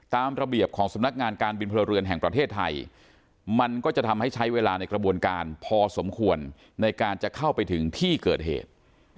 ตามระเบียบของสำนักงานการบินพลเรือนแห่งประเทศไทยมันก็จะทำให้ใช้เวลาในกระบวนการพอสมควรในการจะเข้าไปถึงที่เกิดเหตุ